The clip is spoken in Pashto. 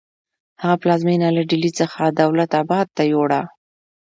هغه پلازمینه له ډیلي څخه دولت اباد ته یوړه.